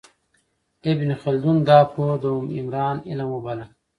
ابن خلدون دا پوهه د عمران علم وباله.